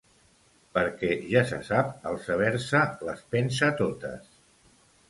Perquè, ja se sap, el saber se les pensa totes.